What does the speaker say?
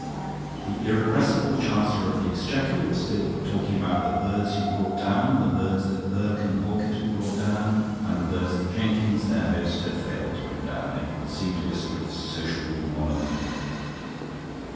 The irrepressible Chancellor of the Exchequer was still talking about the birds he had brought down, the birds that Burke and Halkett had brought down, and the birds that Jenkins, their host, had failed to bring down. It seemed to be a sort of sociable monomania.